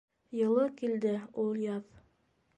Йылы килде ул яҙ.